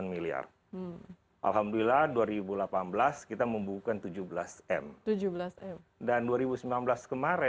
nah sembilan ini saya canangkan waktu itu bahwa kita merupakan perusahaan yang sangat berharga